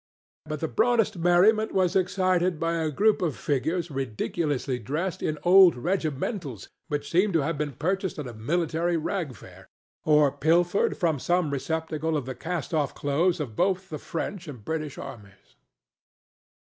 But the broadest merriment was excited by a group of figures ridiculously dressed in old regimentals which seemed to have been purchased at a military rag fair or pilfered from some receptacle of the cast off clothes of both the French and British armies.